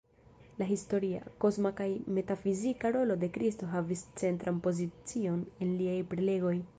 La historia, kosma kaj metafizika rolo de Kristo havis centran pozicion en liaj prelegoj.